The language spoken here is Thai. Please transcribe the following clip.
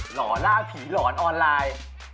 หล่อล่าผีหลอนออนไลน์